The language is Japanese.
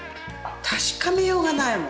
確かめようがないもん。